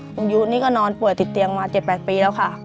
ยุนี่ก็นอนป่วยติดเตียงมา๗๘ปีแล้วค่ะ